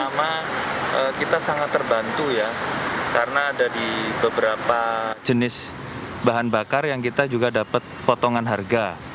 pertama kita sangat terbantu ya karena ada di beberapa jenis bahan bakar yang kita juga dapat potongan harga